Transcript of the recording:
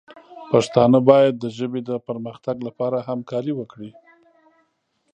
پښتانه باید د ژبې د پرمختګ لپاره همکاري وکړي.